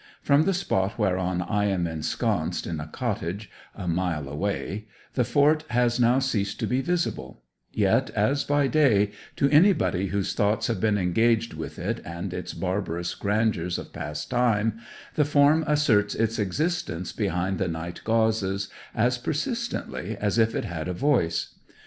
From the spot whereon I am ensconced in a cottage, a mile away, the fort has now ceased to be visible; yet, as by day, to anybody whose thoughts have been engaged with it and its barbarous grandeurs of past time the form asserts its existence behind the night gauzes as persistently as if it had a voice.